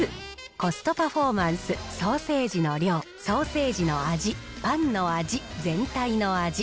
コストパフォーマンス、ソーセージの量、ソーセージの味、パンの味、全体の味。